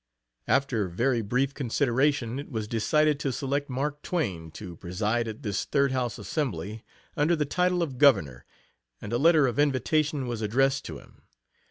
After very brief consideration it was decided to select Mark Twain to preside at this Third House assembly under the title of "Governor," and a letter of invitation was addressed to him.